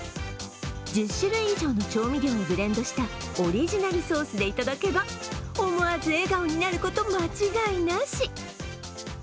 １０種類以上の調味料をブレンドしたオリジナルソースでいただけば思わず笑顔になること間違いなし。